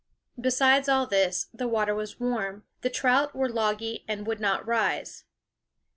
Besides all this, the water was warm ; the trout were logy and would not rise.